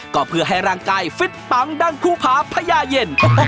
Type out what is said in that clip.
ก็เพื่อให้ร่างกายฟิตปังดังภูพาพญาเย็น